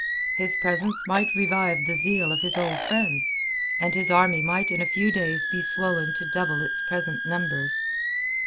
His presence might revive the zeal of his old friends; and his army might in a few days be swollen to double its present numbers.